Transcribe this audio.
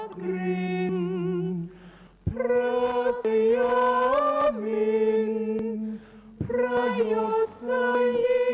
ทรงคุณรักษาบัณฑิตทุกคนและทุกคนเหรอเถกริง